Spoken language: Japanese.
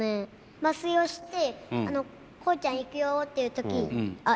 麻酔をしてコウちゃんいくよっていう時あっ